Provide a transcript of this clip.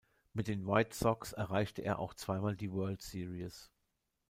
Mit den White Sox erreichte er auch zweimal die World Series.